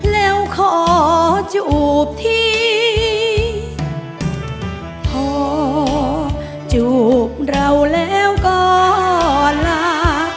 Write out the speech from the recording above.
แล้วขอจูบที่พอจูบเราแล้วก็ลา